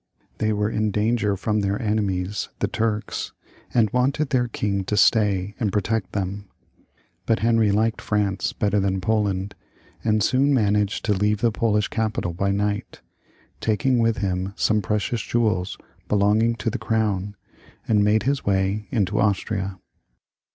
They were in danger from their enemies the Turks, and wanted their king to stay and pro tect them. But Henry liked France better thian Poland, and soon managed to leave the Polish capital by night, taking with him some precious jewels belonging to the crown, and to make his way into Austria.